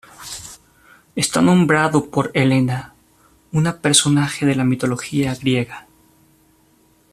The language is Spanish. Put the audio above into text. Está nombrado por Helena, una personaje de la mitología griega.